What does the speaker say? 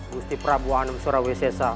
gusti prabu anum surawesesa